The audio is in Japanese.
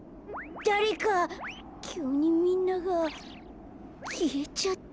きゅうにみんながきえちゃった。